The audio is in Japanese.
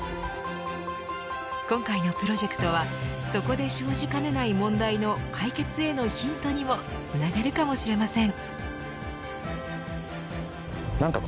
今回のプロジェクトはそこで生じかねない問題の解決へのヒントにもつながるかもしれません。